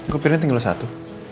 kok pirnya tinggal satu